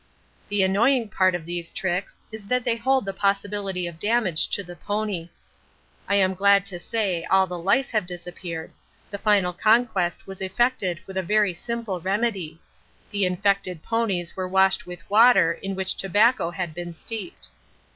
The annoying part of these tricks is that they hold the possibility of damage to the pony. I am glad to say all the lice have disappeared; the final conquest was effected with a very simple remedy the infected ponies were washed with water in which tobacco had been steeped.